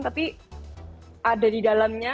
tapi ada di dalamnya